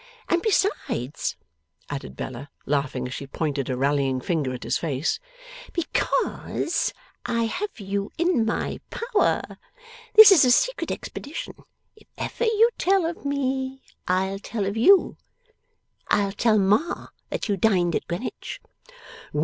And besides,' added Bella, laughing as she pointed a rallying finger at his face, 'because I have got you in my power. This is a secret expedition. If ever you tell of me, I'll tell of you. I'll tell Ma that you dined at Greenwich.